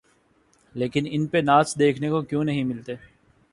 لیکن ان پہ ناچ دیکھنے کو کیوں نہیں ملتے؟